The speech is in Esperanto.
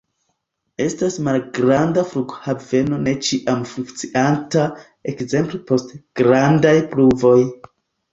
Estas malgranda flughaveno ne ĉiam funkcianta, ekzemple post grandaj pluvoj.